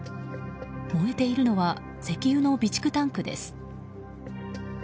燃えているのは石油の備蓄タンクです。